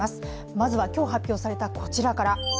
まずは今日発表されたこちらから。